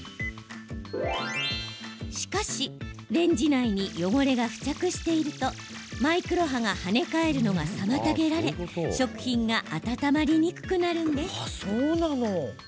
しかし、レンジ内に汚れが付着していると、マイクロ波が跳ね返るのが妨げられ食品が温まりにくくなるんです。